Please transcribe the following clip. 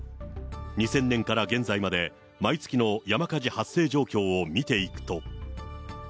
２０００年から現在まで、毎月の山火事発生状況を見ていくと。